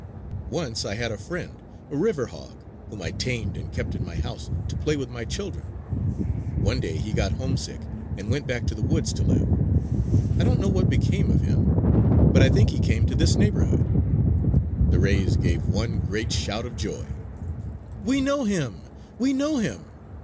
Once I had a friend, a river hog, whom I tamed and kept in my house to play with my children. One day he got homesick and went back to the woods to live. I don't know what became of him ... but I think he came to this neighborhood!" The rays gave one great shout of joy: "We know him! We know him!